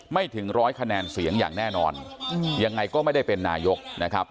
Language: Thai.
ถึงร้อยคะแนนเสียงอย่างแน่นอนยังไงก็ไม่ได้เป็นนายกนะครับ